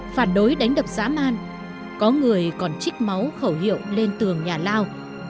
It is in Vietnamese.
phản đối đánh đập xã man có người còn trích máu khẩu hiệu lên tường nhà lao